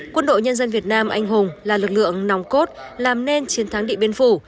quân đội nhân dân việt nam anh hùng là lực lượng nòng cốt làm nên chiến thắng địa biên phủ